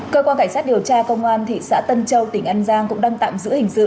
cơ quan cảnh sát điều tra công an thị xã tân châu tỉnh an giang cũng đang tạm giữ hình sự